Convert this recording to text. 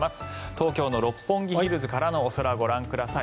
東京の六本木ヒルズからのお空ご覧ください。